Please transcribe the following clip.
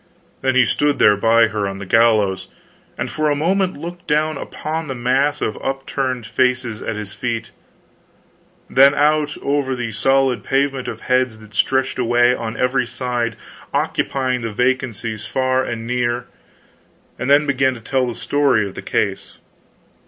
Then he stood there by her on the gallows, and for a moment looked down upon the mass of upturned faces at his feet, then out over the solid pavement of heads that stretched away on every side occupying the vacancies far and near, and then began to tell the story of the case.